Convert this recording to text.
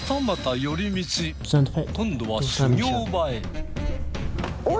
今度は修行場へ。